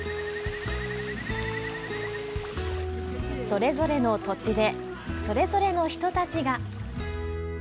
それぞれの土地で、それぞれの人たちが。